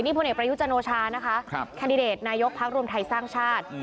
นี่พลเนตประยุจโนชานะคะครับแคนดิเดตนายกพรรครวมไทยสร้างชาติ